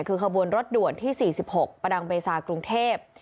คือขบวนรถด่วนที่๔๖ประดังเบซากรุงเทพ